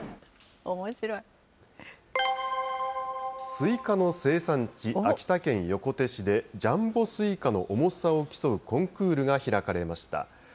スイカの生産地、秋田県横手市で、ジャンボスイカの重さを競うコンクールが開かれました。